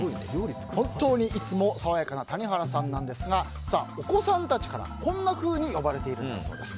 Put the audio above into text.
本当にいつも爽やかな谷原さんなんですがお子さんたちから、こんなふうに呼ばれているんだそうです。